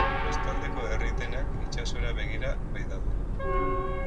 Kostaldeko herri denak itsasora begira baitaude.